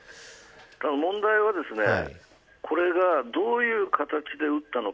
これがどういう形で撃ったのか。